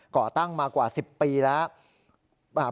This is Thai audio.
่อตั้งมากว่า๑๐ปีแล้ว